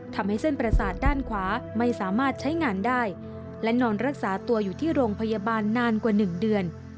ทำให้เส้นประสาทด้านขวาไม่สามารถใช้งานได้และนอนรักษาตัวอยู่ที่โรงพยาบาลนานกว่า๑เดือน